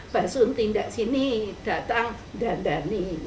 basun tindak sini datang dan dani